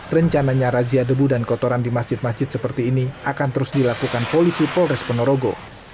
rencananya razia debu dan kotoran di masjid masjid seperti ini akan terus dilakukan polisi polres ponorogo